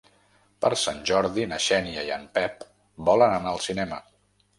Per Sant Jordi na Xènia i en Pep volen anar al cinema.